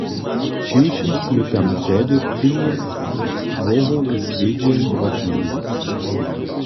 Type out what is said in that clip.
Přiwšěm smy tam tehdy prěni dworowy swjedźeń wotměli.